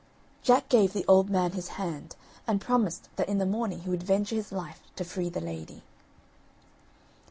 Jack gave the old man his hand, and promised that in the morning he would venture his life to free the lady.